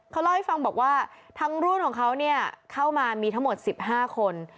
เขาเล่าให้ฟังบอกว่าทั้งรุ่นของเขาเข้ามามีทั้งหมด๑๕คน